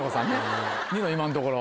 ニノ今んところ。